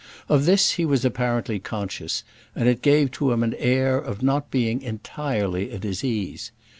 Of this he was apparently conscious, and it gave to him an air of not being entirely at his ease.